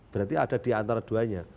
berarti ada di antara dua nya